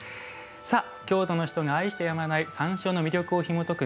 京都の人が愛してやまない山椒の魅力をひもとく